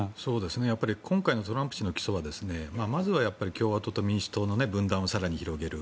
やっぱり今回のトランプ氏の起訴はまずは共和党と民主党の分断を更に広げる。